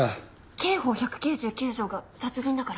刑法１９９条が殺人だから。